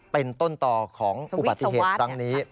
เป็นต้นตอของอุบัติเหตุ